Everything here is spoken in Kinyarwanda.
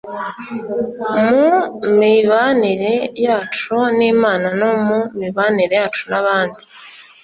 mu mibanire yacu n’Imana no mu mibanire yacu n’abandi